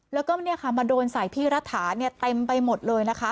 แล้วก็เนี่ยค่ะมาโดนสายพี่รถาเนี่ยเต็มไปหมดเลยนะคะ